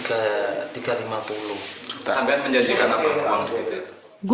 ketambahan penjajikan apa uang itu